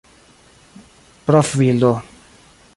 profbildo